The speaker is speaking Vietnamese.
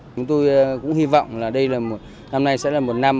chúng tôi cũng hy vọng là năm nay sẽ là một năm